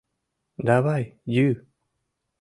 Давай йӱ!